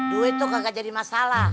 duit tuh gak jadi masalah